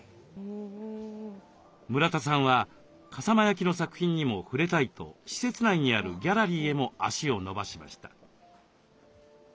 村田さんは笠間焼の作品にも触れたいと施設内にあるギャラリーへも足を延ばしました。